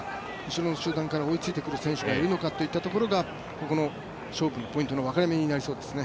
後ろの集団から追いついてくる選手がいるのかといったところがここの勝負のポイントの分かれ目になりますね。